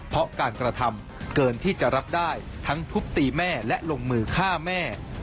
เพราะการกระทำเกินที่จะรับได้ทั้งทุบตีแม่และลงมือฆ่าแม่